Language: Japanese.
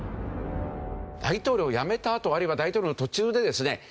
大統領を辞めたあとあるいは大統領の途中でですね